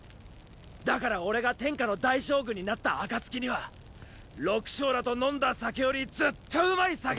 だから俺が天下の大将軍になった暁には六将らと飲んだ酒よりずっとうまい酒をっ。